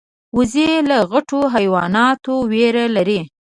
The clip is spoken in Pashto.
وزې له غټو حیواناتو ویره لري